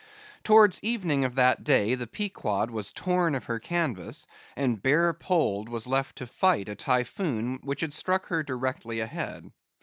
Towards evening of that day, the Pequod was torn of her canvas, and bare poled was left to fight a Typhoon which had struck her directly ahead.